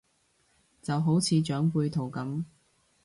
就好似長輩圖咁